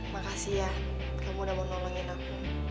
makasih ya kamu udah mau ngomongin aku